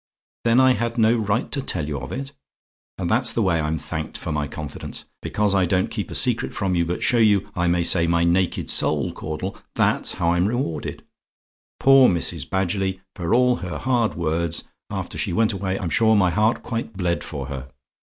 "THEN I HAD NO RIGHT TO TELL YOU OF IT? "And that's the way I'm thanked for my confidence. Because I don't keep a secret from you, but show you, I may say, my naked soul, Caudle, that's how I'm rewarded. Poor Mrs. Badgerly for all her hard words after she went away, I'm sure my heart quite bled for her.